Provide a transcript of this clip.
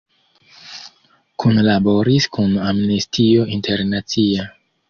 Kunlaboris kun Amnestio Internacia.